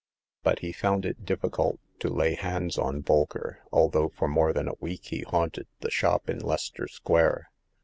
" But he found it difficult to lay hands on Bolker, although for more than a week he haunted the shop in Leicester Square.